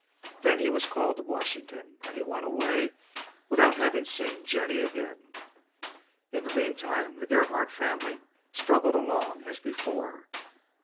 Then he was called to Washington, and he went away without having seen Jennie again. In the mean time the Gerhardt family struggled along as before.